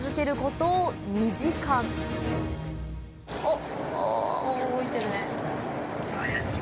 おっ。